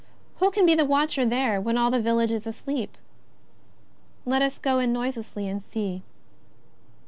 Who can be the watcher there when all the village is asleep ? Let us go in noiselessly and see.